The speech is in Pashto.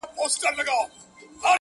را حاضر یې کړل سویان وه که پسونه!!